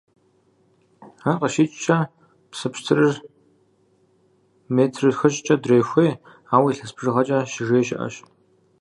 Ар къыщикӀкӀэ, псы пщтырыр метр хыщӏкӀэ дрехуей, ауэ илъэс бжыгъэкӀэ «щыжеи» щыӀэщ.